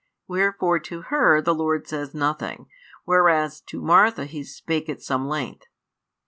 Wherefore to her the Lord says nothing, whereas to Martha He spake at some length.